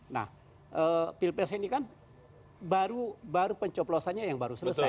nah pilpres ini kan baru pencoplosannya yang baru selesai